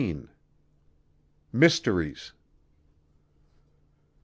MYSTERIES.